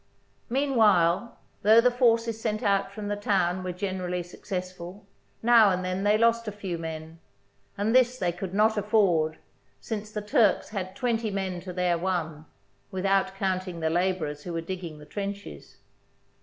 Mean while, though the forces sent out from the town were generally successful, now and then they lost a few men ; and this they could not afford, since the Turks had twenty men to their one, without counting the labourers who were digging the trenches.